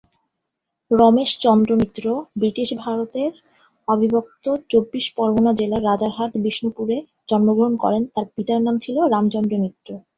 Ramesh Chandra Mitra British ভারতের অবিভক্ত চব্বিশ পরগনা জেলার রাজারহাট-বিষ্ণুপুরে জন্মগ্রহণ করেন, তার পিতার নাম ছিল রামচন্দ্র মিত্র।